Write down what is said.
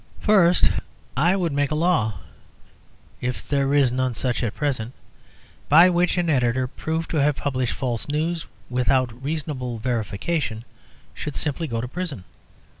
First, I would make a law, if there is none such at present, by which an editor, proved to have published false news without reasonable verification, should simply go to prison.